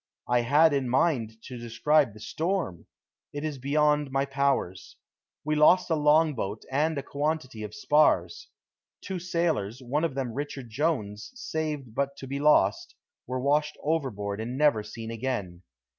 I had in mind to describe the storm. It is beyond my powers. We lost a long boat and a quantity of spars. Two sailors, one of them Richard Jones, saved but to be lost, were washed overboard and never seen again.